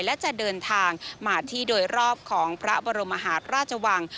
และจะเดินทางมาที่โดยรอบของพระบรมหาราชวัง